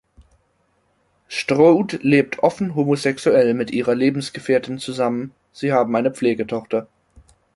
Stroud lebt offen homosexuell mit ihrer Lebensgefährtin zusammen, sie haben eine Pflegetochter.